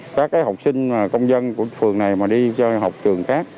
các cái học sinh công dân của phường này mà đi học trường khác